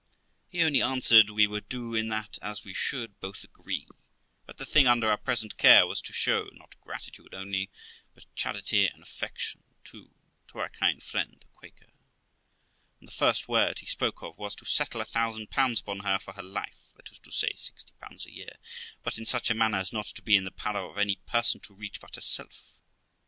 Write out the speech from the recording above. He only answered, we would do in that as we should both agree ; but the thing under our present care was to show, not gratitude only, but charity and affection too, to our kind friend the Quaker; and 342 THE LIFE OF ROXANA the first word he spoke of was to settle a thousand pounds tfpon her for' her life (that is to say, sixty pounds a year), but in such a manner as not to be in the power of any person to reach but herself.